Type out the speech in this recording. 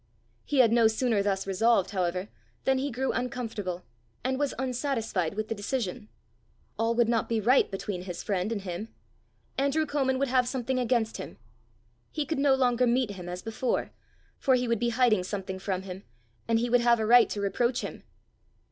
He had no sooner thus resolved, however, than he grew uncomfortable, and was unsatisfied with the decision. All would not be right between his friend and him! Andrew Comin would have something against him! He could no longer meet him as before, for he would be hiding something from him, and he would have a right to reproach him!